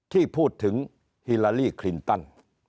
ที่พูดถึงฮิลาลีคลินตัน